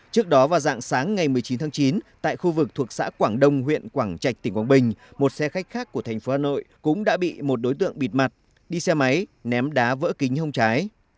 trước đó vào dạng sáng ngày một mươi chín tháng chín tại khu vực thuộc xã quảng đông huyện quảng trạch tỉnh quảng bình một xe khách khác của thành phố hà nội cũng đã bị một đối tượng bịt mặt đi xe máy ném đá vỡ kính hông trái